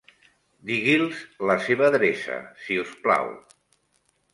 Digui'ls la seva adreça, si us plau.